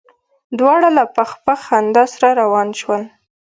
دواړه له پخ پخ خندا سره روان شول.